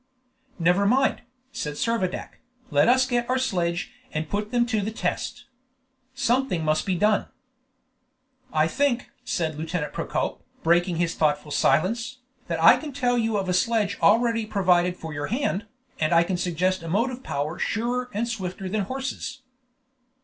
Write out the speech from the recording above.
"Never mind," said Servadac, "let us get our sledge and put them to the test. Something must be done!" "I think," said Lieutenant Procope, breaking his thoughtful silence, "that I can tell you of a sledge already provided for your hand, and I can suggest a motive power surer and swifter than horses."